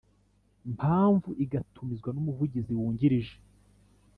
Mpamvu igatumizwa n umuvungizi wungirije